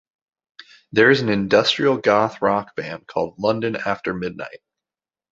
There is an industrial-goth-rock band called London After Midnight.